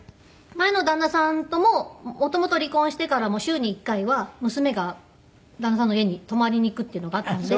前の旦那さんとも元々離婚してからも週に１回は娘が旦那さんの家に泊まりに行くっていうのがあったので。